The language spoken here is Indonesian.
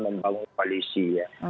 membangun kualisi ya